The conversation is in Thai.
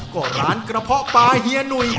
ก็ร้านกระเพาะปลาเฮียหนุ่ย